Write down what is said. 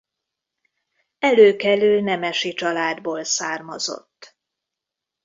Előkelő nemesi családból származott.